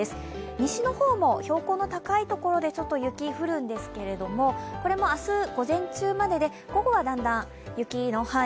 西の方も標高の高い所でちょっと雪が降るんですけれども、これも明日午前中までで午後はだんだん雪の範囲